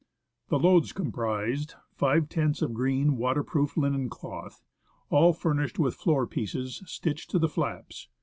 The loads comprised :— Five tents of green, waterproofed linen cloth, all furnished with floor pieces stitched to the flaps.